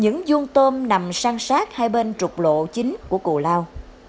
những vuông tôm nằm sang sát hai bên trục lộ chính của cù lao